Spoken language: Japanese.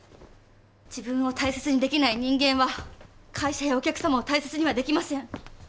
自分を大切にできない人間は会社やお客様を大切にはできません。